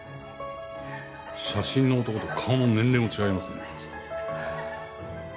写真の男と顔も年齢も違いますね。